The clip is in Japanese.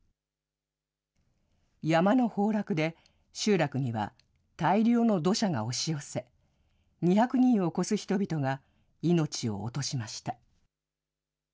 山の崩落で集落には大量の土砂が押し寄せ、２００人を超す人々が命を落としました。